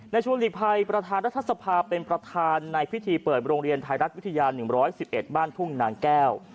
ชวนหลีกภัยประธานรัฐสภาเป็นประธานในพิธีเปิดโรงเรียนไทยรัฐวิทยา๑๑๑บ้านทุ่งนางแก้ว